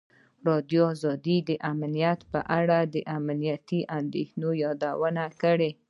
ازادي راډیو د امنیت په اړه د امنیتي اندېښنو یادونه کړې.